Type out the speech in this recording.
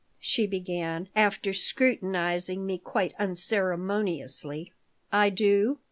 she began, after scrutinizing me quite unceremoniously "I do.